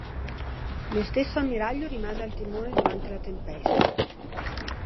Lo stesso ammiraglio rimase al timone durante la tempesta.